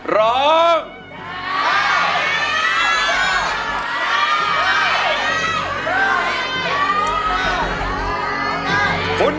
ร้องได้กัน